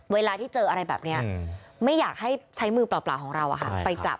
เวลาที่เจออะไรแบบนี้ไม่อยากให้ใช้มือเปล่าของเราไปจับ